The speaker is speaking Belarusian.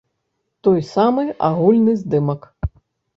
Той самы агульны здымак.